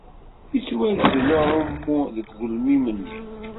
Yettwagdel uɛumu deg ugelmim-nni.